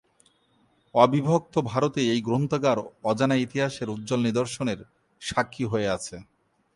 অবিভক্ত ভারতে এই গ্রন্থাগার অজানা ইতিহাসের উজ্জ্বল নিদর্শনের সাক্ষী হয়ে আছে।